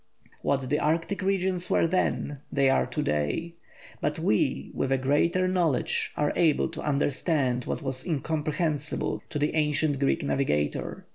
What the Arctic regions were then, they are to day; but we, with a greater knowledge, are able to understand what was incomprehensible to the ancient Greek navigator.